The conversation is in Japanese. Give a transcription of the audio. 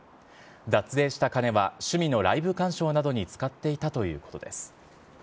脱税した金は趣味のライブ鑑賞などに使っていたということです。